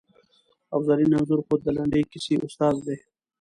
او زرین انځور خو د لنډې کیسې استاد دی!